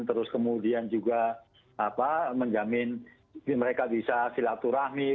terus kemudian juga menjamin mereka bisa silaturahmi